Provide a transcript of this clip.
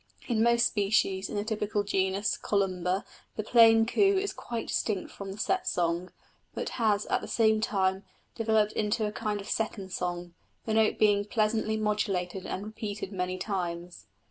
In most species in the typical genus Columba the plain coo is quite distinct from the set song, but has at the same time developed into a kind of second song, the note being pleasantly modulated and repeated many times.